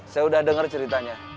saya udah denger ceritanya